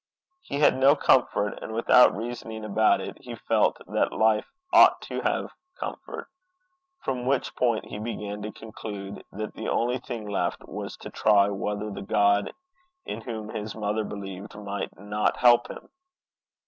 He had no comfort, and, without reasoning about it, he felt that life ought to have comfort from which point he began to conclude that the only thing left was to try whether the God in whom his grandmother believed might not help him.